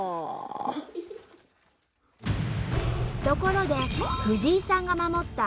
ところで藤井さんがえっ？